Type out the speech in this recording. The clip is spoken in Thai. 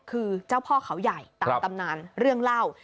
คือเจ้าพ่อเขาใหญ่ตามตำนานเรื่องเล่า